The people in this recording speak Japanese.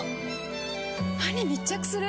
歯に密着する！